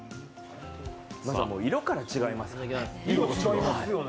まず、色から違いますからね。